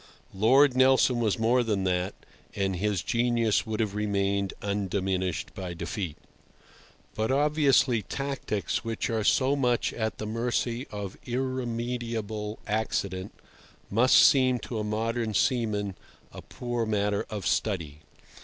Lord Nelson was more than that, and his genius would have remained undiminished by defeat. But obviously tactics, which are so much at the mercy of irremediable accident, must seem to a modern seaman a poor matter of study.